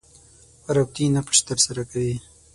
ربطي نقش تر سره کوي.